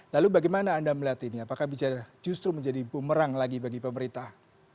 lalu bagaimana anda melihat ini apakah bisa justru menjadi bumerang lagi bagi pemerintah